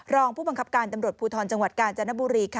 รองผู้บังคับการตำรวจภูทรจังหวัดกาญจนบุรี